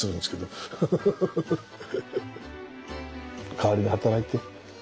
代わりに働いて。